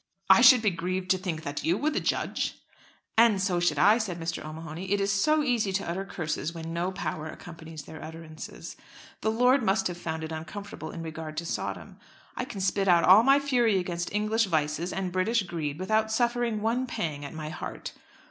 "I should be grieved to think that you were the judge." "And so should I," said Mr. O'Mahony. "It is so easy to utter curses when no power accompanies the utterances. The Lord must have found it uncomfortable in regard to Sodom. I can spit out all my fury against English vices and British greed without suffering one pang at my heart.